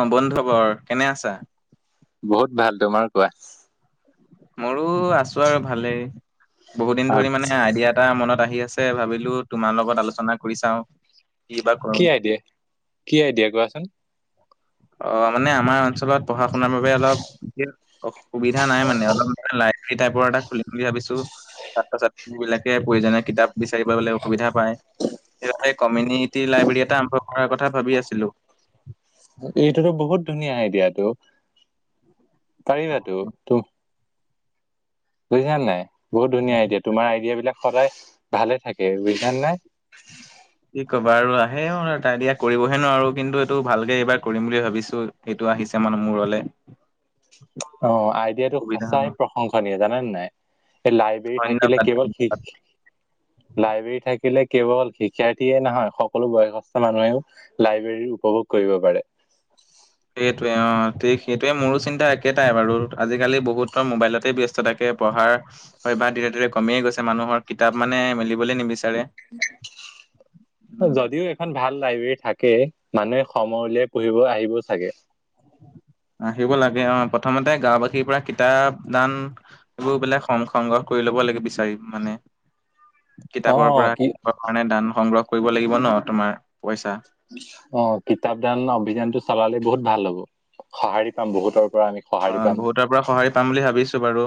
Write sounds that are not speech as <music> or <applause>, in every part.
অ' বন্ধুবৰ কেনে আছা? বহুত ভাল তোমাৰ কোৱা। মোৰো আছো আৰু ভালেই বহুত দিন ধৰি মানে আচ্ছা, আইডিয়া এটা মনত আহি আছে। আছে ভাবিলো তোমাৰ লগত আলোচনা কৰি চাওঁ। বা কৰো কি আইদিয়া, কি আইদিয়া কোৱাচোন। অ' মানে আমাৰ অঞ্চলত পঢ়া শুনাৰ বাবে অলপ বিশেষ অসুবিধা নাই মানে অলপ। লাইব্ৰেৰী টাইপৰ এটা খুলিম বুলি ভাবিছো। ছাত্ৰ ছাত্ৰী বিলাকে প্ৰয়োজনীয় কিতাপ বিচাৰি পাবলৈ অসুবিধা পায়। সেইবাবে কমিউনিটি লাইব্ৰেৰী এটা আৰম্ভ কৰাৰ কথা ভাবি আছিলোঁ। এইটোতো বহুত ধুনীয়া আইদিয়াটো পাৰিবাটো তো বুজিছানে নাই, বহুত ধুনীয়া আইডিয়া, তোমাৰ আইডিয়া বিলাক। সভায়ে ভালে থাকে বুজিছানে নাই। কি ক'বা আৰু আহেও আইদিয়া কৰিবহে নোৱাৰো কিন্তু এইটো ভালকে এইবাৰ কৰিম বুলি ভাবিছো, এইটো আহিছে। মানে মূৰলে অ' আইডিয়াটো সুবিধা হ'ব সঁচাই প্ৰশংসনীয় জানানে নাই। এই লাইব্ৰেৰী থাকিলে ধন্যবাদ কেৱল শি, ধন্যবাদ লাইব্ৰেৰী থাকিলে কেৱল শিক্ষাৰ্থে নহয় সকলো বয়সস্থ মানুহেও লাইব্ৰেৰী উপভোগ কৰিব পাৰে। থিক সেইটোৱে মোৰো চিন্তা একেটাই আৰু আজিকালি বহুতৰ মোবাইলতে ব্যস্ত থাকে পঢ়াৰ বা ধীৰে ধীৰে কমিয়ে গৈছে মানুহৰ কিতাপ মানে মেলিবলৈ নিবি উম, যদিও এখন ভাল লাইব্ৰেৰী থাকে মানুহে সময় উলিয়াই পঢ়িব আহিব চাগে। উ আহিব লাগে অ' প্ৰথমতে গাঁওবাসীৰ পৰা কিতাপ দান এইবোৰ বোলে স-সংগ্ৰহ কৰি ল'ব <unintelligible> বিচাৰি মানে অ কিতাপৰ পৰা কি কিতাপৰ কাৰণে দান সংগ্ৰহ কৰিব লাগিব ন' তোমাৰ। পইচা অ' কিতাপ দান অভিযানতটো চলালে বহুত ভাল হ'ব, সঁহাৰি পাম বহুতৰ। পৰা আমি সঁহাৰি অ' পাম বহুতৰ পৰা সঁহাৰি পাম বুলি ভাবিছোঁ বাৰু,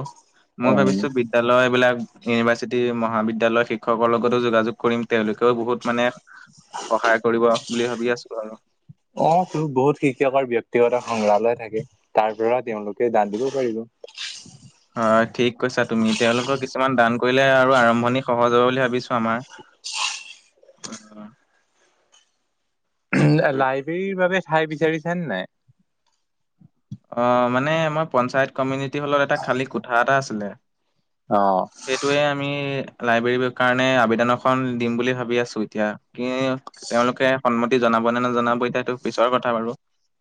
মই উম ভাবিছোঁ বিদ্যয়ালয় এইবিলাক ইউনিভাৰ্চিটি মহাবিদ্যালয় শিক্ষকৰ লগতো যোগাযোগ কৰিম তেওঁলোকেও বহুত মানে সহায় কৰিব বুলি ভাবি আছোঁ আৰু। অ' ত' বহুত শিক্ষকৰ ব্যক্তিগত সংগ্ৰালয় থাকে তাৰ পৰা তেওঁলোকে দান দিব পাৰিব। হয় ঠিক কৈছা তুমি তেওঁলোকৰ কিছুমান দান কৰিলে আৰু আৰম্ভণি সহজ হ'ব বুলি ভাবিছোঁ আমাৰ। উম। সেইটোৱে। লাইব্ৰেৰীৰ বাবে ঠাই বিচাৰিছানে নাই। অ' মানে আমাৰ পঞ্চায়ত কমিউনিটি হোলত এটা খালী কোঠা এটা আছিলে। অ সেইটোৱে আমি লাইব্ৰেৰীৰ কাৰণে আবেদন এখন দিম বুলি ভাবি আছোঁ এতিয়া কি তেওঁলোকে সন্মতি জনা <unintelligible> নজনাব ইতাটো পিছৰ কথা বাৰু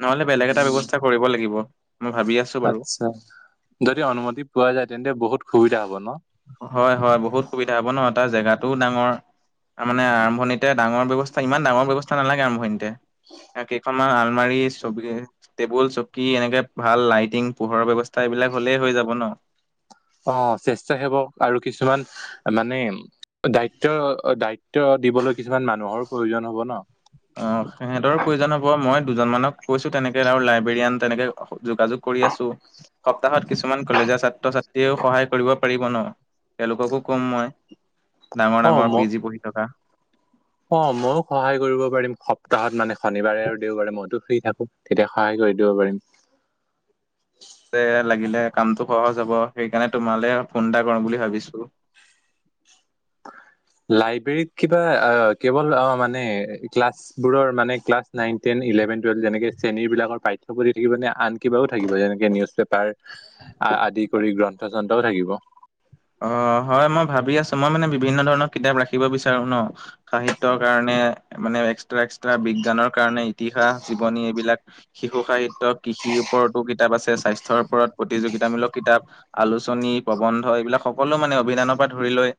নহলে বেলেগ এটা ব্যৱস্থা কৰিব লাগিব। মই ভাবি আছো বাৰু আচ্ছা, যদি অনুমতি পোৱা যায় তেন্তে বহুত সুবিধা হ'ব ন'। হয় হয় বহুত সুবিধা হ'ব ন' তাৰ জেগাটোও ডাঙৰ। তাৰ মানে আৰম্ভণিতে ডাঙৰ ব্যৱস্থা ইমান ডাঙৰ ব্যৱস্থা নালাগে আৰম্ভণিতে। কেইখনমান আলমাৰি ছবি টেবুল চকী এনেকে ভাল লাইটিং পোহৰৰ ব্যৱস্থা এইবিলাক হ'লেই হৈ যাব ন'। অ' স্বেচ্ছসেৱক সেৱক আৰু কিছুমান মানে দায়িত্ব দায়িত্ব দিবলৈ কিছুমান মানুহৰো প্ৰয়োজন হ'ব ন'। অ' সিহঁতৰো প্ৰয়োজন হ'ব মই দুজন মানক কৈছোঁ তেনেকে আৰু লাইব্ৰেৰয়ান তেনেকে যোগা যোগ কৰি আছোঁ সপ্তাহত কিছুমান কলেজৰ ছাত্ৰ ছাত্ৰীয়েও সহায় কৰিব পাৰিব ন'। তেওঁলোককো ক'ম মই, ডাঙৰ অ ম ডাঙৰ পি জি পঢ়ি থকা। অ' ময়ো সহায় কৰিব পাৰিম সপ্তাহত মানে শনিবাৰে আৰু দেওবাৰে মইতো ফ্ৰী থাকো তেতিয়া সহায় লৈ দিব পাৰিম। অ <unintelligible> লাগিলে কামটো সহজ হ'ব সেইকাৰণে তোমালৈ ফোন এটা কৰিম বুলি ভাবিছোঁ। <inaudible> লাইব্ৰেৰীত কিবা অ' কেৱল অ' মানে ক্লাছবোৰৰ মানে ক্লাছ নাইন, টেইন, ইলে ইলেভেন, টুৱেলভ যেনেকে শ্ৰেণীবিভাজন পাঠ্যপুথি থাকিব নে আন কিবাও থাকিব যেনেকে নিউজ পেপাৰ আ আদি কৰি গ্ৰন্থ যন্ত্ৰও থাকিব। অ' হয় মই ভাবি আছোঁ মই মানে বিভিন্ন ধৰণৰ কিতাপ ৰাখিব বিচাৰো ন' সাহিত্যৰ কাৰণে এ মানে এক্সট্ৰা এক্সট্ৰা বিজ্ঞানৰ কাৰণে ইতিহাস জীৱনী এইবিলাক শিশু সাহিত কৃষিৰ ওপৰতো কিতাপ আছে স্বাস্থ্যৰ ওপৰত প্ৰতিযোগিতামূলক কিতাপ আলোচনী প্ৰবন্ধ এইবিলাক সকলো মানে অভিধানৰ পৰা ধৰি লৈ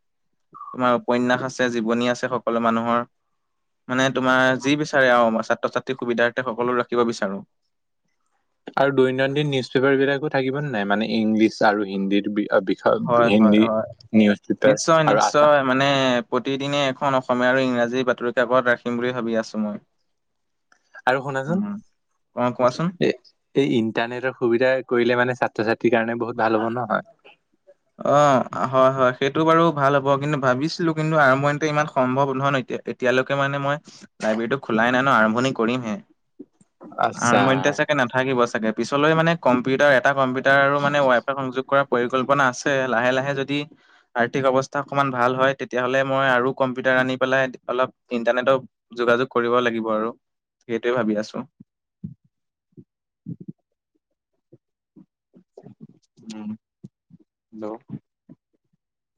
তোমাৰ উপন্যাস আছে জীৱনী আছে সকলো মানুহৰ। মানে তোমাৰ যি বিচাৰে আৰু ছাত্ৰ ছাত্ৰীৰ সুবিধাৰ্থ সকলো ৰাখিব বিচাৰোঁ। আৰু দৈনন্দিন নিউজ পেপাৰবিলাকো থাকিব নে নাই মানে ইংলিছ আৰু হিন্দী বি হয় বিষয় হয় হিন্দী, হয় নিউজ পেপাৰ আৰু আছাম প্ৰতিদিনেই এখন অসমীয়া আৰু ইংৰাজী বাতৰি কাকত ৰাখিম বুলি ভাবি আছোঁ মই। আৰু শুনাচোন উম অ কোৱাচোন এ এই ইণ্টাৰনেটৰ সুবিধা কৰিলে মানে ছাত্ৰ ছাত্ৰীৰ কাৰণে বহুত ভাল হ'ব ন? নহয়। অ', হয়, হয়, সেইটো বাৰু ভাল হ'ব, কিন্তু ভাবিছিলো কিন্তু আৰম্ভণিতে ইমান সম্ভৱ নহয় এতিয়ালৈকে মানে মই লাইব্ৰেৰীতটো খোলাই নাই ন, আৰম্ভণি কৰিমহে। আৰম্ভণতে আচ্ছা চাগে নাথাকিবই চাগে, পিছলৈ মানে কম্পিউটাৰ এটা কম্পিউটাৰ টাৰ আৰু মানে ৱাইপাৰ সংযোগ কৰাৰ পৰিকল্পনা আছে। লাহে লাহে যদি আৰ্থিক অৱস্থা অকমান ভাল হয়, তেতিয়াহলে মই আৰু কম্পিউটাৰ আনি পেলাই অলপ ইন্টাৰনেটৰ যোগাযোগ কৰিব লাগিব আৰু, সেইটোৱে ভাবি আছো। <inaudible> উম', হেল্ল'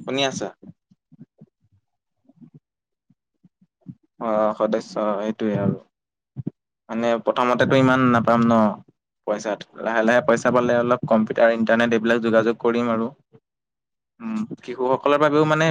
শুনি আছা? অ', সদস্য সেইটোয়ে আৰু। মানে প্ৰথমতেতো ইমান নাপাম ন। পইচাত, লাহে লাহে পইচা পালে অলপ কম্পিউটাৰ ইণ্টাৰনেট এইবিলাক যোগাযোগ কৰিম আৰু। উম শিশুসকলৰ বাবেও মানে